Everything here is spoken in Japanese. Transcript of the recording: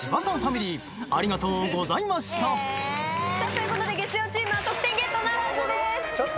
・ということで月曜チームは得点ゲットならずです。